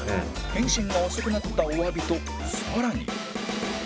返信が遅くなったおわびと更に